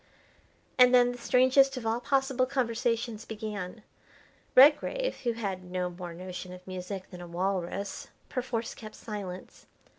And then the strangest of all possible conversations began. Redgrave, who had no more notion of music than a walrus, perforce kept silence.